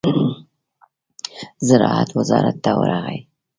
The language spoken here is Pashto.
زراعت وزارت ته ورغی.